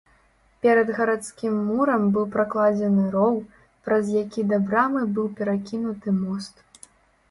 Перад гарадскім мурам быў пракладзены роў, праз які да брамы быў перакінуты мост.